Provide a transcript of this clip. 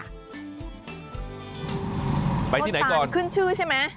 ไปที่ไหนก่อนเอาไปต่อลูกตาลขึ้นชื่อใช่ไหม